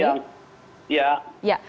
selamat siang ya